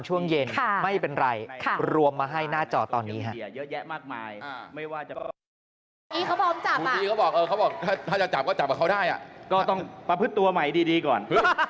จริงไปพลาดดินเดี๋ยวก่อน